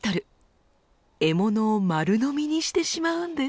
獲物を丸飲みにしてしまうんです。